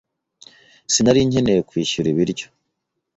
Sinari nkeneye kwishyura ibiryo.